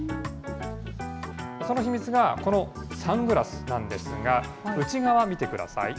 その秘密がこのサングラスなんですが、内側見てください。